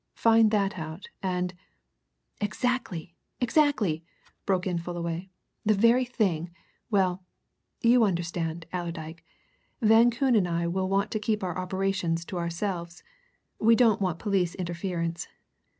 Find that out, and " "Exactly exactly!" broke in Fullaway. "The very thing! Well you understand, Allerdyke. Van Koon and I will want to keep our operations to ourselves. We don't want police interference.